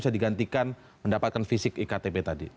bisa digantikan mendapatkan fisik iktp tadi